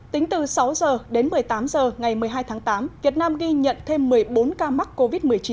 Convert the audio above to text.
tính từ sáu h đến một mươi tám h ngày một mươi hai tháng tám việt nam ghi nhận thêm một mươi bốn ca mắc covid một mươi chín